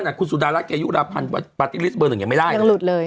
คุณสุดารัฐเกยุราพันธ์ปาร์ตี้ลิสต์เบอร์หนึ่งยังไม่ได้ยังหลุดเลย